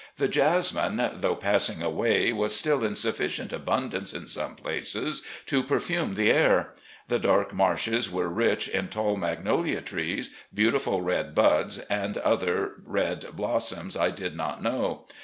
The jasmine, though passing away, was still in sufficient abundance, in some places, to perfume the air. The dark marshes were rich in tall magnolia trees, beautiful red buds, and other red blossoms I did not know.